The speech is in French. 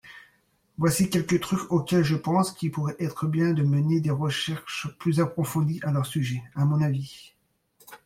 voici quelques trucs auxquels je pense qu'il pourrait être bien de mener des recherches plus approfondies à leur sujet, à mon avis.